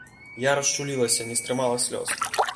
Я расчулілася, не стрымала слёз.